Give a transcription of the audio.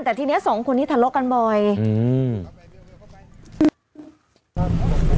แต่ทีเนี้ยสองคนนี้ทะเลาะกันบ่อยอืม